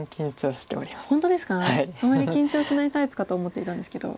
あまり緊張しないタイプかと思っていたんですけど。